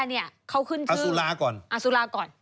เบียร์เขาขึ้นคืออสุราก่อนอสุราก่อน